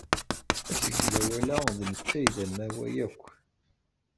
Asegzawal-a d netta ay d amaway akk.